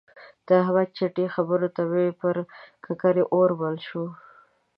د احمد چټي خبرو ته مې پر ککرۍ اور بل شو.